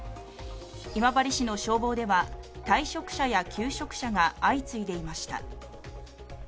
今治市の消防では、退職者や休職者が相次いでいました。